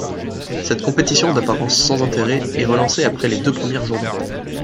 Cette compétition d'apparence sans intérêt est relancée après les deux premières journées.